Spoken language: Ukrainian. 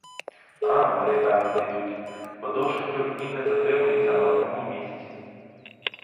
Рано вони певно підуть, бо довше трьох днів не затримуються на одному місці.